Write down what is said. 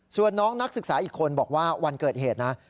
ส่วนน้องนักศึกษาอีกคนบอกว่าวันเกิดเหตุนะ